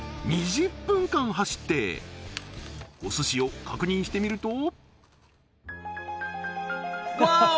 ２０分間走ってお寿司を確認してみるとワオ！